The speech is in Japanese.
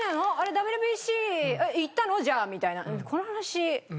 ＷＢＣ行ったの？じゃあ」みたいな。